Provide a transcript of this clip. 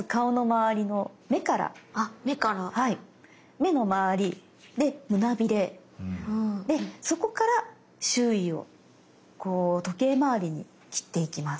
目のまわり。で胸ビレでそこから周囲をこう時計まわりに切っていきます。